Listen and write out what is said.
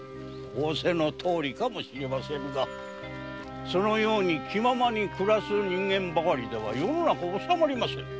仰せのとおりかもしれませんがそのように気ままに暮らす人間ばかりでは世の中治まりませぬ。